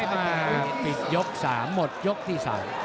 มาปิดยก๓หมดยกที่๓